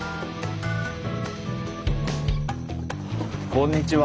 こんにちは。